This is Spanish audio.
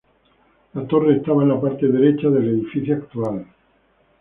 La torre estaba en la parte derecha del edificio actual.